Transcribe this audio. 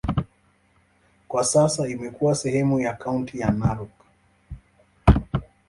Kwa sasa imekuwa sehemu ya kaunti ya Narok.